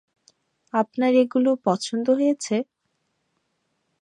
আপনার এগুলো পছন্দ হয়েছে?